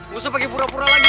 musuh pake pura pura lagi lah